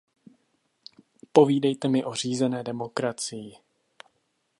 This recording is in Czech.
Povídejte mi o řízené demokracii!